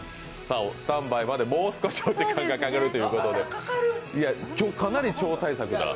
スタンバイまでもう少しお時間がかかるということで今日、かなり超大作が。